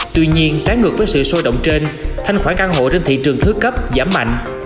tuy nhiên trái ngược với sự sôi động trên thanh khoản căn hộ trên thị trường thứ cấp giảm mạnh